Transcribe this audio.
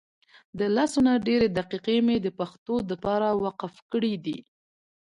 دلسونه ډیري دقیقی مي دپښتو دپاره وقف کړي دي